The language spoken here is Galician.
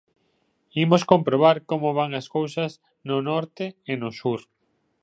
Imos comprobar como van as cousas no norte e no sur.